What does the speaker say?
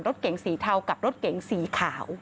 รถเก๋งสีเทากับรถเก๋งสีขาว